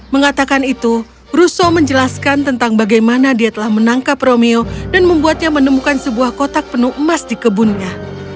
mengatakan itu russo menjelaskan tentang bagaimana dia telah menangkap romeo dan membuatnya menemukan sebuah kotak penuh emas di kebunnya